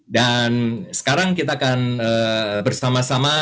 dan sekarang kita akan bersama sama